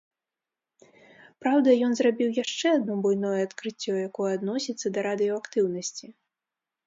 Праўда, ён зрабіў яшчэ адно буйное адкрыццё, якое адносіцца да радыеактыўнасці.